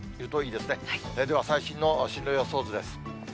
では最新の進路予想図です。